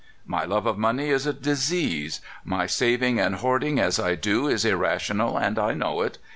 '*My love of money is a disease. My saving and hoarding as I do is irrational, and I know it.